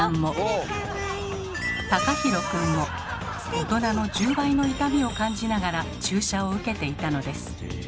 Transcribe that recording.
大人の１０倍の痛みを感じながら注射を受けていたのです。